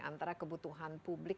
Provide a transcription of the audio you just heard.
antara kebutuhan publik